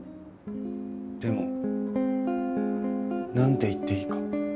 でもなんて言っていいか。